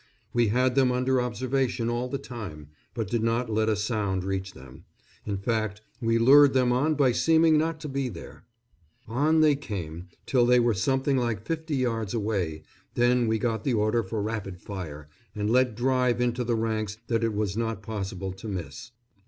We had them under observation all the time, but did not let a sound reach them; in fact, we lured them on by seeming not to be there. On they came, till they were something like fifty yards away, then we got the order for rapid fire, and let drive into the ranks that it was not possible to miss.